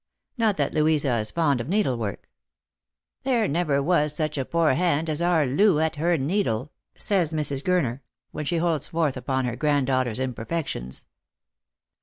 Not that Louisa is fond of needlework. " There never was such a poor hand as our Loo at her needle," says Mrs. Gurner, when she holds forth upon her granddaughter's imperfections.